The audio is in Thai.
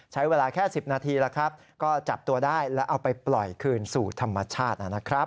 ใช้เวลาแค่๑๐นาทีแล้วครับก็จับตัวได้แล้วเอาไปปล่อยคืนสู่ธรรมชาตินะครับ